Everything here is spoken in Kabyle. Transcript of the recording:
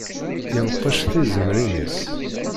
Yenqec tizemrin-is.